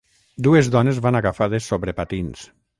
Dues dones van agafades sobre patins.